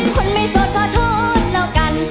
คนไม่สดขอโทษแล้วกัน